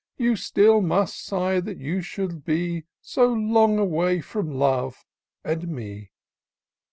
You still must sigh that you should be So long away from love and me.